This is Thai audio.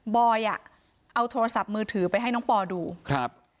อ่ะเอาโทรศัพท์มือถือไปให้น้องปอดูครับ